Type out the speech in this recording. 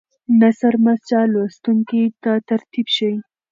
نثر مسجع لوستونکي ته ترتیب ښیي.